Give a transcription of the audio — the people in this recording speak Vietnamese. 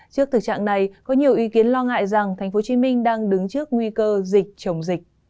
trước thực trạng này có nhiều ý kiến lo ngại rằng thành phố hồ chí minh đang đứng trước nguy cơ dịch chống dịch